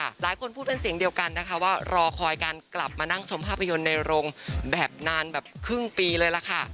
หลายคนพูดเป็นเสียงเดียวกันนะคะว่ารอคอยการกลับมานั่งชมภาพยนตร์ในโรงแบบนานแบบครึ่งปีเลยล่ะค่ะ